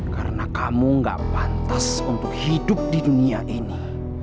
karena kamu nggak pantas untuk hidup di dunia ini